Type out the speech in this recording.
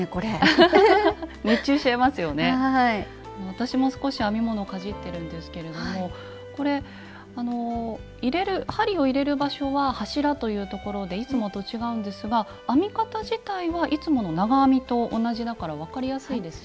私も少し編み物をかじってるんですけれどもこれ針を入れる場所は柱というところでいつもと違うんですが編み方自体はいつもの長編みと同じだから分かりやすいですね。